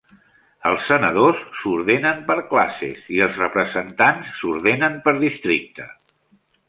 Els senadors s"ordenen per classes i els representants s"ordenen per districte.